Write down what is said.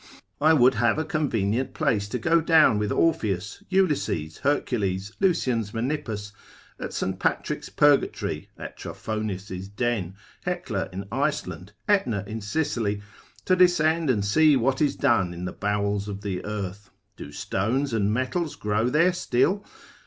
I would have a convenient place to go down with Orpheus, Ulysses, Hercules, Lucian's Menippus, at St. Patrick's purgatory, at Trophonius' den, Hecla in Iceland, Aetna in Sicily, to descend and see what is done in the bowels of the earth: do stones and metals grow there still?